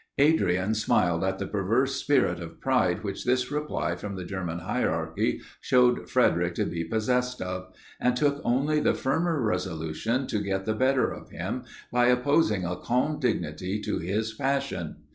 Adrian smiled at the perverse spirit of pride which this reply from the German hierarchy showed Frederic to be possessed of; and took only the firmer resolution to get the better of him, by opposing a calm dignity to his passion.